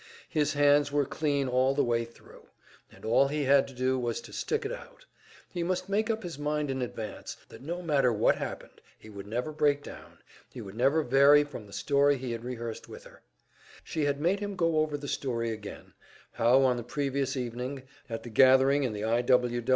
His hands were clean all the way thru, and all he had to do was to stick it out; he must make up his mind in advance, that no matter what happened, he would never break down, he would never vary from the story he had rehearsed with her. She made him go over the story again; how on the previous evening, at the gathering in the I.